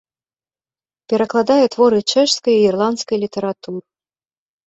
Перакладае творы чэшскай і ірландскай літаратур.